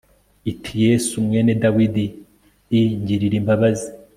iti yesu mwene dawidi i ngirira imbabazi